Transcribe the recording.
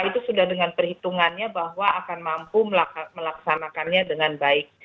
itu sudah dengan perhitungannya bahwa akan mampu melaksanakannya dengan baik